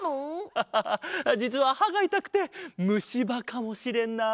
アハハじつははがいたくてむしばかもしれない。